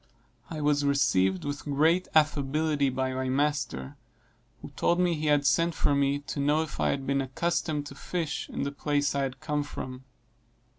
I was received with great affability by my master, who told me he had sent for me to know if I had been accustomed to fish in the place I had come from.